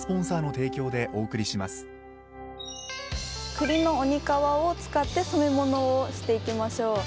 クリの鬼皮を使って染め物をしていきましょう。